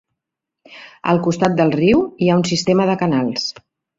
Al costat del riu hi ha un sistema de canals.